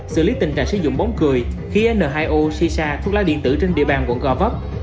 xử lý tình trạng sử dụng bóng cười khí n hai o si sa thuốc lá điện tử trên địa bàn quận gò bắp